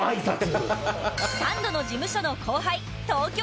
サンドの事務所の後輩